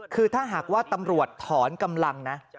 คือถ้าหากว่าตำรวจถอนกำลังนะ